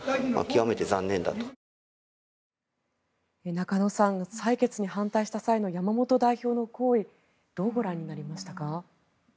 中野さん採決の反対した際の山本代表の行為どうご覧になりましたか？